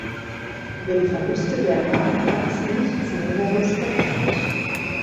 Über die Verluste der Nama ist nichts näheres bekannt.